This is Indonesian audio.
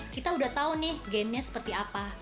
kita udah tahu nih gennya seperti apa